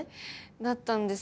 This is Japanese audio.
だったんですけど。